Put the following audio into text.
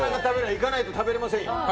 行かないと食べられませんよ。